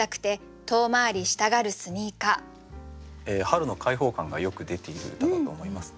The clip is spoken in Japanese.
春の開放感がよく出ている歌だと思います。